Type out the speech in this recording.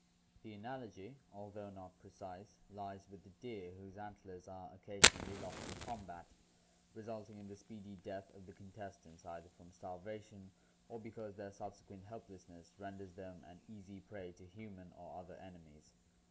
The analogy, although not precise, lies with the deer whose antlers are occasionally locked in combat, resulting in the speedy death of the contestants, either from starvation or be cause their subsequent helplessness renders them an easy prey to human or other enemies.